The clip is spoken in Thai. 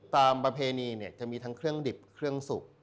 ประเพณีจะมีทั้งเครื่องดิบเครื่องสุก